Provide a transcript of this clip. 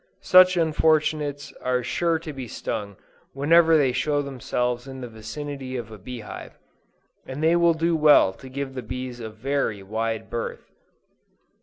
Such unfortunates are sure to be stung whenever they show themselves in the vicinity of a bee hive, and they will do well to give the bees a very wide berth.